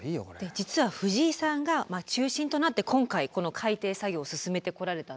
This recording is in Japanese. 実は藤井さんが中心となって今回この改定作業を進めてこられたんですよね。